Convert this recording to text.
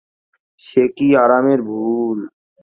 সে কী আরামের ভুল।